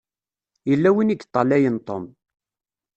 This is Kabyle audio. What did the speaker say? Yella win i yeṭṭalayen Tom.